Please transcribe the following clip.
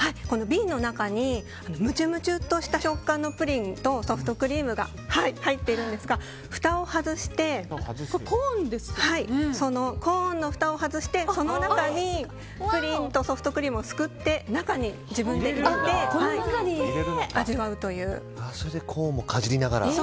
瓶の中にむちゅむちゅっとした食感のプリンとソフトクリームが入っているんですがコーンのふたを外してその中にプリンとソフトクリームをすくって中に自分で入れてコーンもかじりながら。